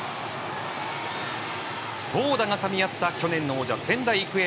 投打がかみ合った去年の王者・仙台育英。